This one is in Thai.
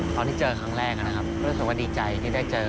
ตอนที่เจอครั้งแรกนะครับรู้สึกว่าดีใจที่ได้เจอ